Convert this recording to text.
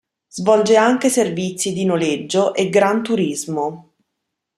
Svolge anche servizi di noleggio e "gran turismo".